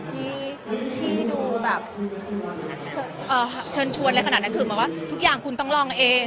ที่ดูเชิญชวนขนาดคือหมายความทุกอย่างคุณต้องลองเอง